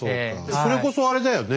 それこそあれだよね。